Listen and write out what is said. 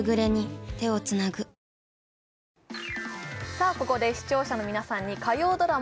さあここで視聴者の皆さんに火曜ドラマ